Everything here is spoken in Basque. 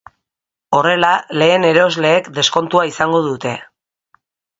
Horrela, lehen erosleek deskontua izango dute.